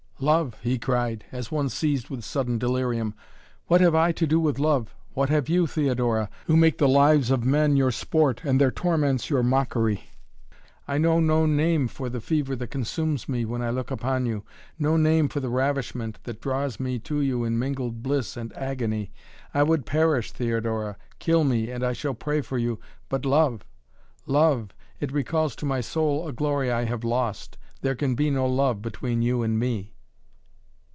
"Love!" he cried, as one seized with sudden delirium. "What have I to do with love what have you, Theodora, who make the lives of men your sport, and their torments your mockery? I know no name for the fever that consumes me, when I look upon you no name for the ravishment that draws me to you in mingled bliss and agony. I would perish, Theodora. Kill me, and I shall pray for you! But love love it recalls to my soul a glory I have lost. There can be no love between you and me!"